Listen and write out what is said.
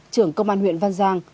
trưởng công an huyện văn giang